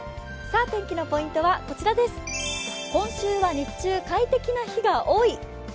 天気のポイントは今週は日中、快適な日が多い。